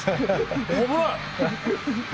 危ない。